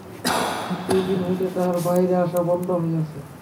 সেই দিন হইতে তাহার বাহিরে আসা বন্ধ হইয়াছে।